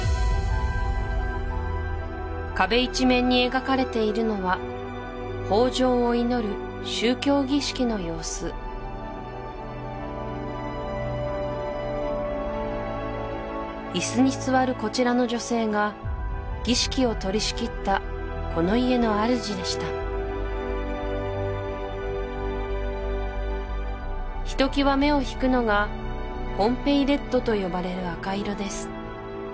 壁一面に描かれているのは豊穣を祈る宗教儀式の様子椅子に座るこちらの女性が儀式を取りしきったこの家の主でしたひときわ目を引くのがポンペイレッドと呼ばれる赤色です